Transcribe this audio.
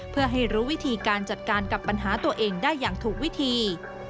เพื่อให้รู้วิธีการจัดการกับปัญหาตัวเองได้อย่างถูกวิธี